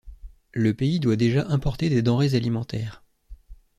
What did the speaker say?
Le pays doit déjà importer des denrées alimentaires.